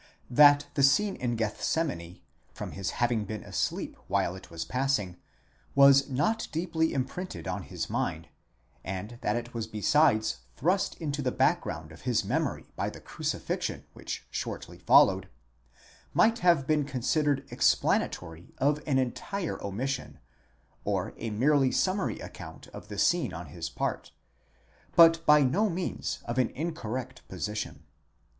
That the scene in Gethsemane, from his having been asleep while it was passing, was not deeply imprinted on his mind, and that it was besides thrust into the background of his memory by the crucifixion which shortly followed, might have been considered explanatory of an entire omission, ora merely summary account of the scene on his part, but by no means of an incorrect position.